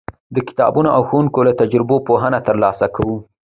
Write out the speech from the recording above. د کتابونو او ښوونکو له تجربو پوهه ترلاسه کوو.